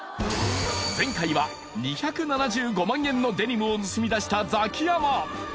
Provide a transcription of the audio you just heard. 前回は２７５万円のデニムを盗み出したザキヤマ